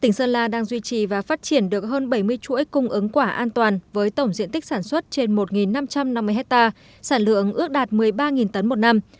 tỉnh sơn la đang duy trì và phát triển được hơn bảy mươi chuỗi cung ứng quả an toàn với tổng diện tích sản xuất trên một năm trăm năm mươi hectare sản lượng ước đạt một mươi ba tấn một năm